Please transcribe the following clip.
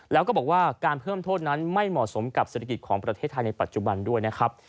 แล้วก็บอกว่าการเพิ่มโทษนั้นไม่เหมาะสมกับเศรษฐกิจของประเทศไทยในปัจจุบันด้วยนะครับ